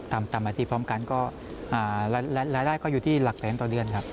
ตามอาทิตยพร้อมกันก็รายได้ก็อยู่ที่หลักแสนต่อเดือนครับ